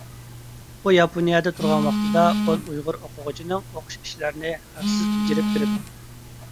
ئۇ ياپونىيەدە تۇرغان ۋاقتىدا ئون ئۇيغۇر ئوقۇغۇچىنىڭ ئوقۇش ئىشلىرىنى ھەقسىز بېجىرىپ بېرىدۇ.